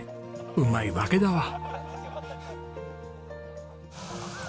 うまいわけだわ。